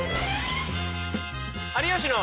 「有吉の」。